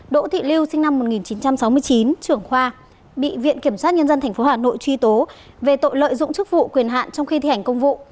đỗ thị lưu sinh năm một nghìn chín trăm sáu mươi chín trưởng khoa bị viện kiểm sát nhân dân tp hà nội truy tố về tội lợi dụng chức vụ quyền hạn trong khi thi hành công vụ